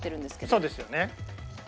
そうですよね。